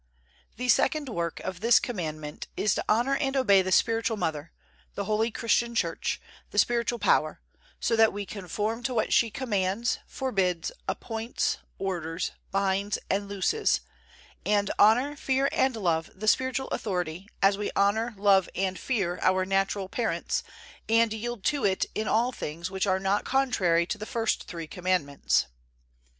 The second work of this Commandment is to honor and obey the spiritual mother, the holy Christian Church, the spiritual power, so that we conform to what she commands, forbids, appoints, orders, binds and looses, and honor, fear and love the spiritual authority as we honor, love and fear our natural parents, and yield to it in all things which are not contrary to the first three Commandments.